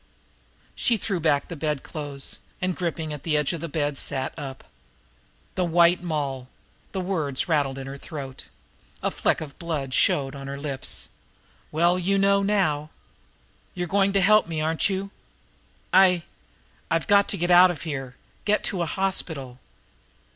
She threw back the bedclothes, and, gripping at the edge of the bed, sat up. "The White Moll!" The words rattled in her throat. A fleck of blood showed on her lips. "Well, you know now! You're going to help me, aren't you? I I've got to get out of here get to a hospital."